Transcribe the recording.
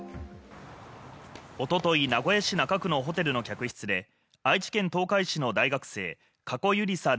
おととい、名古屋市中区のホテルの客室で愛知県東海市の大学生、加古結莉さん